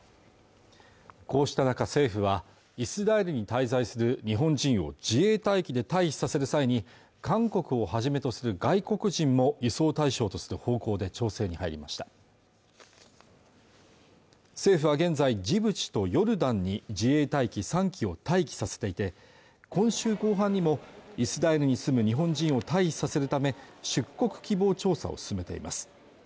こうした中政府はイスラエルに滞在する日本人を自衛隊機で退避させる際に韓国をはじめとする外国人も輸送対象とする方向で調整に入りました政府は現在ジブチとヨルダンに自衛隊機３機を待機させていて今週後半にもイスラエルに住む日本人を退避させるため出国希望調査を進めています